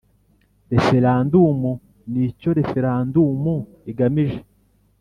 Referendumu n icyo referandumu igamije